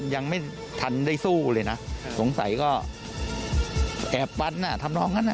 ยังไม่ทันได้สู้เลยนะสงสัยก็แอบฟันน่ะทำน้องงั้นอ่ะ